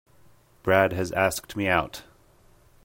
Brad has asked me out.